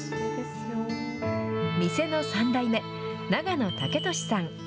店の３代目、永野雄敏さん。